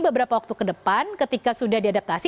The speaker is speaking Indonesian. beberapa waktu ke depan ketika sudah diadaptasi